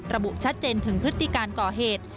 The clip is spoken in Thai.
ระบุชัดเจนถึงพฤติการก่อเหตุ